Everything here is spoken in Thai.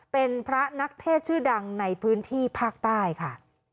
เป็นพระนักเทศชื่อดังในพื้นที่ภาคใต้ค่ะ